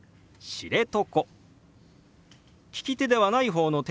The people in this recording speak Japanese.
「知床」。